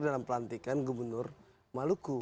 dalam pelantikan gubernur maluku